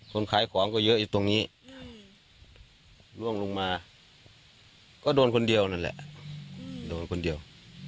คนขายของก็เยอะอยู่ตรงนี้ล่วงลงมาก็โดนคนเดียวนั่นแหละโดนคนเดียว